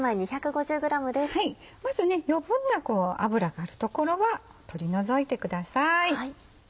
まずは余分な脂がある所は取り除いてください。